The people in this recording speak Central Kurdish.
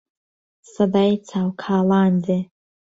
سەدای چاو کاڵان دێ